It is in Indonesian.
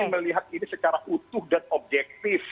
saya ingin melihat ini secara utuh dan objektif